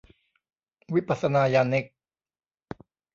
วิปัสสนายานิก